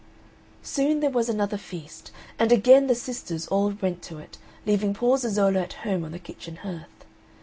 Soon there was another feast, and again the sisters all went to it, leaving poor Zezolla at home on the kitchen hearth.